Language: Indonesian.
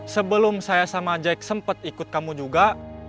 sebelum saya sama jack sempat ikut kamu juga